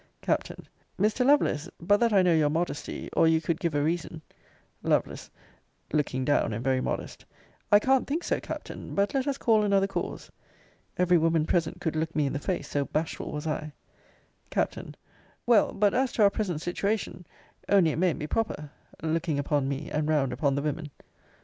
Capt. Mr. Lovelace, but that I know your modesty, or you could give a reason Lovel. Looking down, and very modest I can't think so, Captain but let us call another cause. Every woman present could look me in the face, so bashful was I. Capt. Well, but as to our present situation only it mayn't be proper looking upon me, and round upon the women.